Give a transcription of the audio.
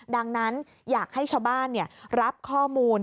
ดังนั้นอยากให้ชาวบ้านรับข้อมูล